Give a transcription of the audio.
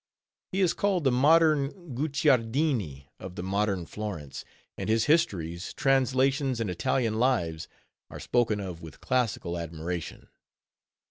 He is called the modern Guicciardini of the modern Florence, and his histories, translations, and Italian Lives, are spoken of with classical admiration.